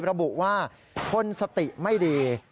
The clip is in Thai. ระบุว่าคนสติไม่ดี